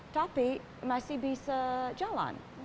tapi masih bisa jalan